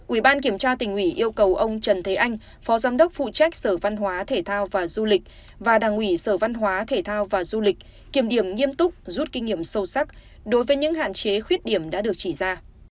ủy ban kiểm tra tỉnh ủy yêu cầu ông trần thế anh phó giám đốc phụ trách sở văn hóa thể thao và du lịch và đảng ủy sở văn hóa thể thao và du lịch kiểm điểm nghiêm túc rút kinh nghiệm sâu sắc đối với những hạn chế khuyết điểm đã được chỉ ra